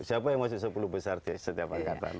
siapa yang masuk sepuluh besar setiap angkatan